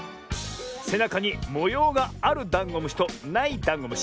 せなかにもようがあるダンゴムシとないダンゴムシ